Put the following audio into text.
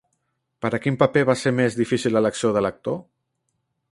Per a quin paper va ser més difícil l'elecció de l'actor?